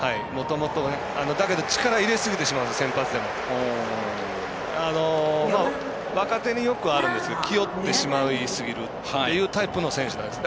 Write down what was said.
だけど、力を入れすぎてしまう先発でも。若手によくあるんですけど気負ってしまいすぎるというタイプの選手なんです。